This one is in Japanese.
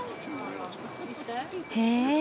へえ。